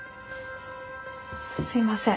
すいません。